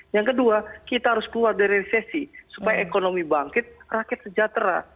yang kedua kita harus keluar dari resesi supaya ekonomi bangkit rakyat sejahtera